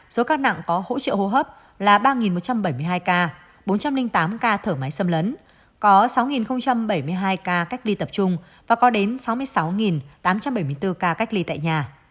số ca nặng có hỗ trợ hô hấp là ba một trăm bảy mươi hai ca bốn trăm linh tám ca thở máy xâm lấn có sáu bảy mươi hai ca cách ly tập trung và có đến sáu mươi sáu tám trăm bảy mươi bốn ca cách ly tại nhà